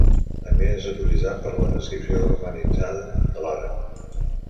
També és utilitzat per a la transcripció romanitzada de l'àrab.